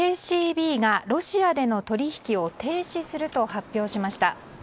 ＪＣＢがロシアでの取引を停止すると発表しました。